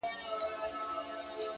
جانان لکه ريښه د اوبو هر ځای غځېدلی _